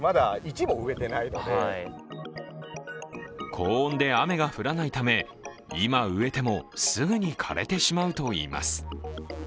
高温で雨が降らないため、今植えてもすぐに枯れてしまうといいます。